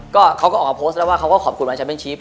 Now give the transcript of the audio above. ก็เขาก็ออกมาโพสต์แล้วว่าเขาก็ขอบคุณมาแชมเป็นชิป